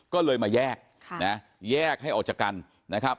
ก็เลยมาแยกแยกให้ออกจากกันนะครับ